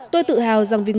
tôi tự hào rằng vì ngươi